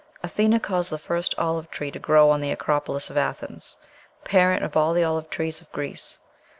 Athena caused the first olive tree to grow on the Acropolis of Athens, parent of all the olive trees of Greece.